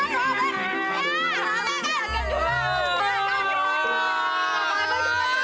ya allah pak